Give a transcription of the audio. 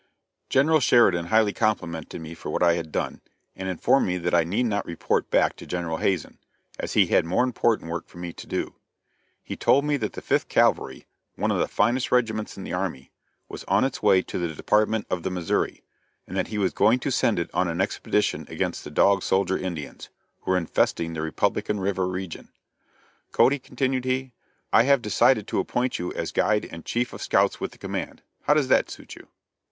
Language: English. General Sheridan highly complimented me for what I had done, and informed me that I need not report back to General Hazen, as he had more important work for me to do. He told me that the Fifth Cavalry one of the finest regiments in the army was on its way to the Department of the Missouri, and that he was going to send it on an expedition against the Dog Soldier Indians, who were infesting the Republican River region. "Cody," continued he, "I have decided to appoint you as guide and chief of scouts with the command. How does that suit you?"